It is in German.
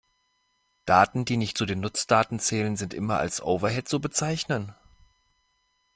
Daten, die nicht zu den Nutzdaten zählen, sind immer als Overhead zu bezeichnen?